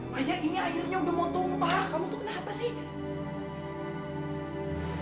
maya ini akhirnya udah mau tumpah kamu tuh kenapa sih